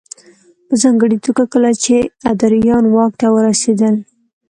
په ځانګړې توګه کله چې ادریان واک ته ورسېدل